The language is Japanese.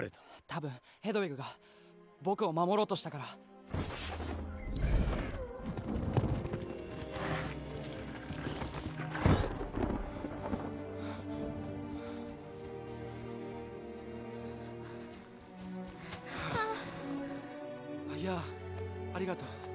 多分ヘドウィグが僕を守ろうとしたからああやあありがとう